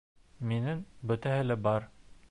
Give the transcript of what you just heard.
Минең бөтәһе лә бар